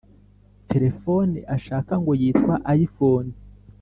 telefone ashaka ngo yitwa ayifoni